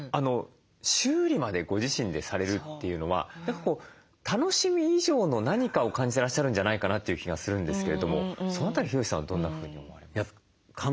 修理までご自身でされるというのは楽しみ以上の何かを感じてらっしゃるんじゃないかなという気がするんですけれどもその辺りヒロシさんはどんなふうに思われますか？